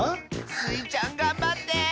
スイちゃんがんばって！